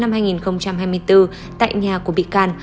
tại nhà của bị can